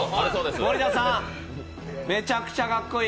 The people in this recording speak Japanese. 森田さん、めちゃくちゃかっこいい。